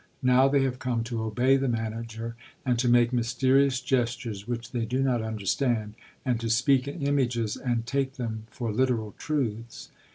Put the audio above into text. Now they have come to obey the manager, and to make mysterious gestures which they do not understand, and to speak in images and take them for literal truths.